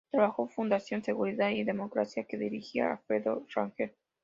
Trabajó Fundación Seguridad y Democracia que dirigía Alfredo Rangel.